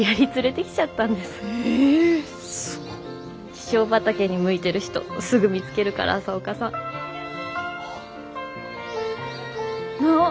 気象畑に向いてる人すぐ見つけるから朝岡さん。あっ。